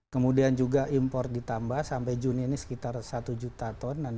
kemudian juga impor ditambah sampai juni ini sekitar satu juta ton